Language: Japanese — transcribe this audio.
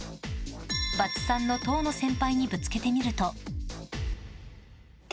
バツ３の遠野先輩にぶつけてみると。